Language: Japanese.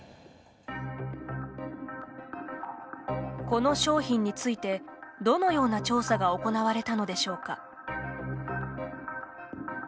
この商品についてどのような調査が行われたのでしょうか。